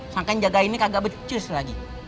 sangka yang jagainnya kagak becus lagi